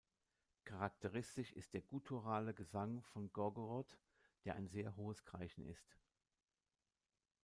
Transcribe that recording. Charakteristisch ist der gutturale Gesang von Gorgoroth, der ein sehr hohes Kreischen ist.